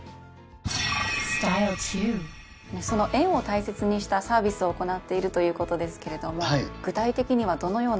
その縁を大切にしたサービスを行っているということですけれども具体的にはどのようなことでしょうか？